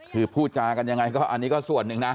คือพูดจากันยังไงก็อันนี้ก็ส่วนหนึ่งนะ